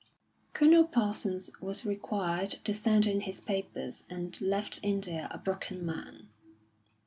Colonel Parsons was required to send in his papers, and left India a broken man....